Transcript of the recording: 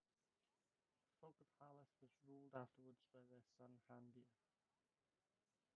The Folk of Haleth was ruled afterwards by their son Handir.